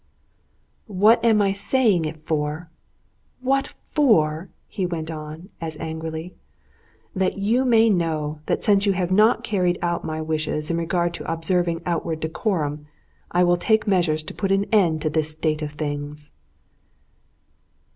"What am I saying it for? what for?" he went on, as angrily. "That you may know that since you have not carried out my wishes in regard to observing outward decorum, I will take measures to put an end to this state of things."